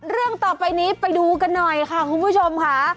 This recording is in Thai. เรื่องต่อไปนี้ไปดูกันหน่อยค่ะคุณผู้ชมค่ะ